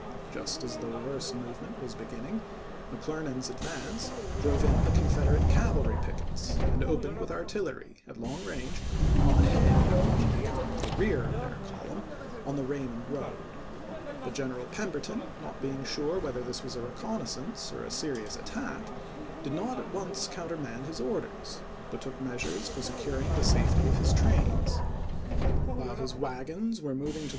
Just as the reverse movement was beginning, McCler nand's advance drove in the Confederate cavalry pickets and opened with artillery, at long range, on the head, which had become the rear of their column, on the Raymond road ; but General Pemberton, not being sure whether this was a reconnaissance or a Pember serious attack, did not at once countermand his Report, orders, but took measures for securing the safety volxxiv., Part I of his trains. While his wagons were moving to p.